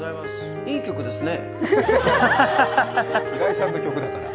いい曲ですね。